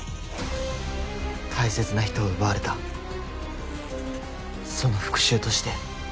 大切な人を奪われたその復讐として。